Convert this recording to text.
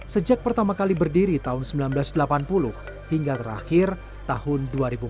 sejak pertama kali berdiri tahun seribu sembilan ratus delapan puluh hingga terakhir tahun dua ribu empat belas